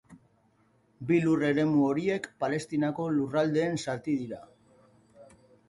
Bi lur eremu horiek Palestinako Lurraldeen zati dira.